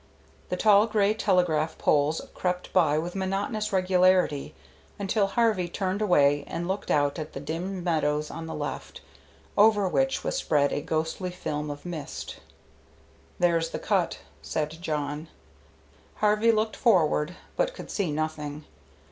The tall gray telegraph poles crept by with monotonous regularity until Harvey turned away and looked out at the dim meadows on the left, over which was spread a ghostly film of mist. "There's the cut," said Jawn. Harvey looked forward, but could see nothing.